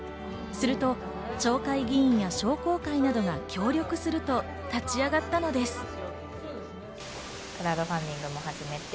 すると町会議員や商工会などが協力すると立ち上がったのです。